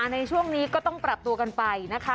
ในช่วงนี้ก็ต้องปรับตัวกันไปนะคะ